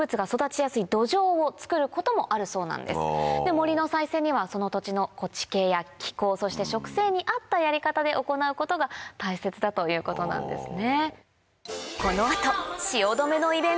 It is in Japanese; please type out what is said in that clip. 森の再生にはその土地の地形や気候そして植生に合ったやり方で行うことが大切だということなんですね。